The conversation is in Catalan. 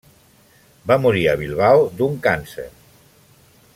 Va morir a Bilbao d'un càncer.